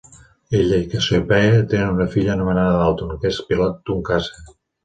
Ell i Cassiopeia tenen una filla anomenada Dalton, que és pilot d'un caça.